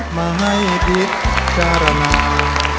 มาให้พิจารณา